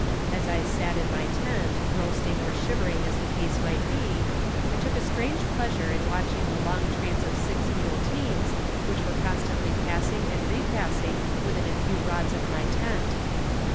As I sat in my tent, roasting or shivering as the case might be, I took a strange pleasure in watching the long trains of six mule teams which were constantly passing and repassing within a few rods of my tent.